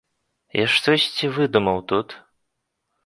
Я штосьці выдумаў тут?